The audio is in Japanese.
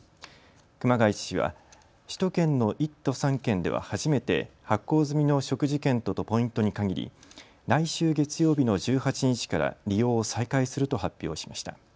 熊谷氏は首都圏の１都３県では初めて発行済みの食事券とポイントに限り、来週月曜日の１８日から利用を再開すると発表しました。